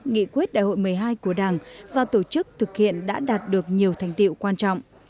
nghị quyết đại hội một mươi hai của đảng và tổ chức thực hiện đã đạt được nhiều thành tiệu quan trọng